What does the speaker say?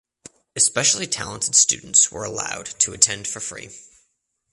Especially talented students were allowed to attend for free.